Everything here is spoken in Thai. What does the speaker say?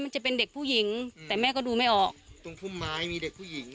มันจะเป็นเด็กผู้หญิงแต่แม่ก็ดูไม่ออกตรงพุ่มไม้มีเด็กผู้หญิง